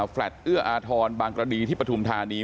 แลตเอื้ออาทรบางกรณีที่ปฐุมธานี